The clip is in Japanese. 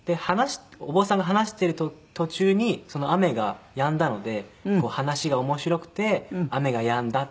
お坊さんが話している途中に雨がやんだので話が面白くて雨がやんだ。